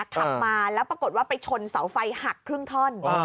ขับมาแล้วปรากฏว่าไปชนเสาไฟหักครึ่งท่อน